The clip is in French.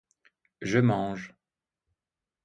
Je mange.